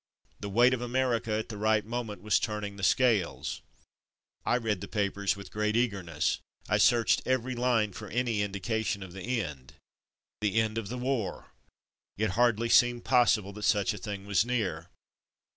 The weight of America at the right moment was turning the scale. I read the papers with great eagerness. I searched every line for any indication of the end. The end of the war! ! It hardly seemed possible that such a thing was near.